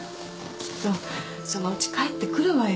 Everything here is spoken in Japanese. きっとそのうち帰ってくるわよ